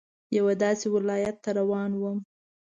یوه داسې ولايت ته روان وم.